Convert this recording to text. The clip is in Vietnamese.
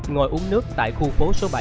ngồi uống nước tại khu phố số bảy